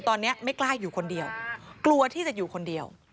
ตอนนี้ไม่กล้าอยู่คนเดียวกลัวที่จะอยู่คนเดียว